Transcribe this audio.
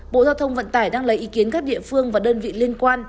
bộ giao thông vận tải đang lấy ý kiến các địa phương và đơn vị liên quan